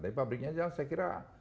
tapi pabriknya jelas saya kira